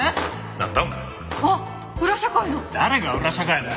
誰が裏社会だよ！